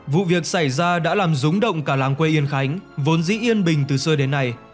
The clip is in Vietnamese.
vụ việc xảy ra đã làm rúng động cả làng quê yên khánh vốn dĩ yên bình từ xưa đến nay